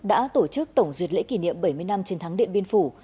đã tổ chức tổng duyệt lễ kỷ niệm bảy mươi năm trên tháng điện biên phủ